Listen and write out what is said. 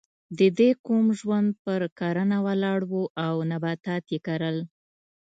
د دې قوم ژوند پر کرنه ولاړ و او نباتات یې کرل.